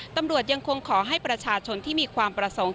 ตำรวจยังคงขอให้ประชาชนที่มีความประสงค์